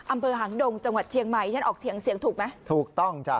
อำเภอหางดงจังหวัดเชียงใหม่ฉันออกเถียงเสียงถูกไหมถูกต้องจ้ะ